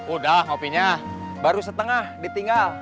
udah ngopinya baru setengah ditinggal